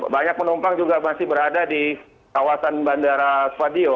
banyak penumpang juga masih berada di kawasan bandara spadio